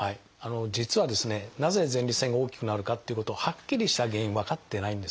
実はですねなぜ前立腺が大きくなるかっていうことはっきりした原因分かってないんですね。